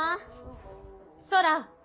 空！